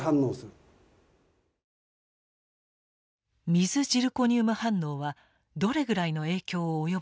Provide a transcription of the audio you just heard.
水ジルコニウム反応はどれぐらいの影響を及ぼしたのか。